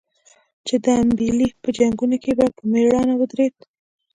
چې د امبېلې په جنګونو کې په مړانه ودرېد.